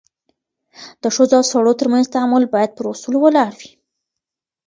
د ښځو او سړو ترمنځ تعامل بايد پر اصولو ولاړ وي.